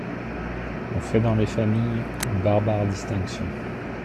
On fait dans les familles une barbare distinction.